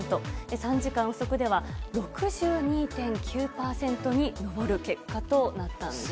３時間不足では６２．９％に上る結果となったんです。